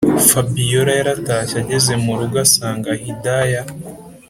fabiora yaratashye ageze murugo asanga hidaya